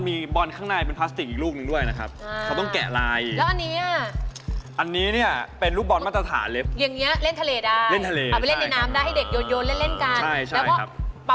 มีบอลข้างในเป็นพลาสติกอีกลูกหนึ่งด้วยนะครับ